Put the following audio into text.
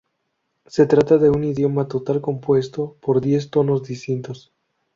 Se trata de un idioma tonal compuesto por diez tonos distintos.